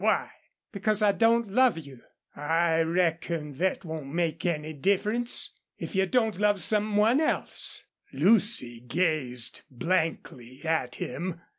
"Why?" "Because I don't love you." "I reckon thet won't make any difference, if you don't love some one else." Lucy gazed blankly at him.